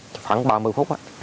khoảng ba mươi phút á